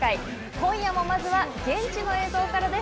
今夜もまずは現地の映像からです！